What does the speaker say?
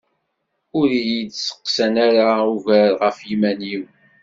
Ur iyi-d-steqsan ara ugar ɣef yiman-iw.